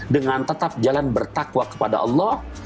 dengan tetap jalan bertakwa kepada allah